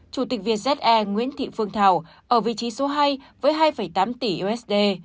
chủ tịch việt ze nguyễn thị phương thảo ở vị trí số hai với hai tám tỷ usd